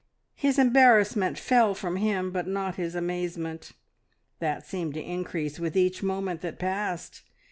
His embarrassment fell from him, but not his amazement; that seemed to increase with each moment that passed.